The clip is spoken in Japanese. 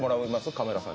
カメラさん。